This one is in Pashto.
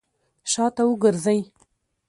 شاته وګرځئ!